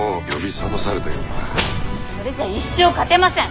それじゃあ一生勝てません！